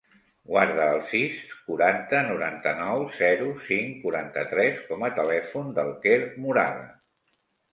Guarda el sis, quaranta, noranta-nou, zero, cinc, quaranta-tres com a telèfon del Quer Moraga.